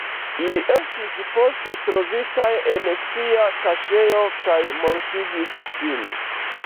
Ili estis poste trovitaj en sia kaŝejo kaj mortigis sin.